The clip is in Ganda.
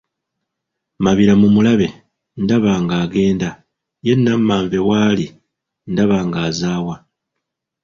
"Mabira mu mulabe, ndaba nga agenda, ye nnammanve waali, ndaba ng'azaawa."